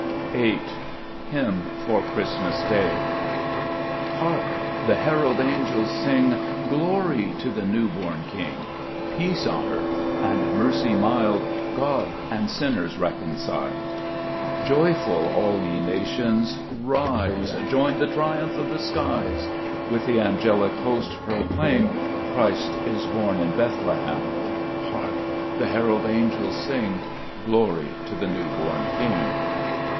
8 f>$mn for Gbristmas*£>a£* TJARK ! the herald angels sing, * A " Glory to the new born King ; Peace on earth, and mercy mild, God and sinners reconciled !" 15 XLbe asest Cburcb Ibgmns* Joyful, all ye nations, rise, Join the triumph of the skies ; With the angelic host proclaim, " Christ is born in Bethlehem !" Hark ! the herald angels sing, " Glory to the new born King."